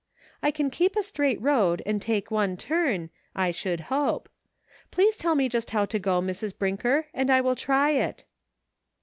I can keep a straight road and make one turn, I should hope. Please tell me just how to go, Mrs. Brinker, and I will try it."